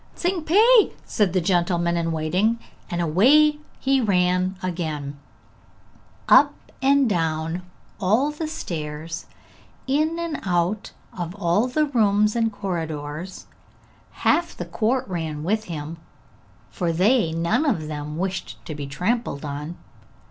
'Tsing pe!' said the gentleman in waiting, and away he ran again, up and down all the stairs, in and out of all the rooms and corridors; half the court ran with him, for they none of them wished to be trampled on.